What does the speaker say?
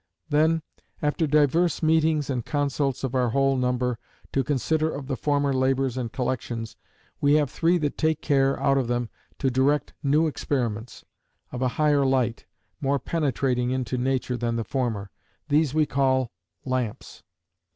"Then after divers meetings and consults of our whole number, to consider of the former labours and collections, we have three that take care, out of them, to direct new experiments, of a higher light, more penetrating into nature than the former. These we call Lamps.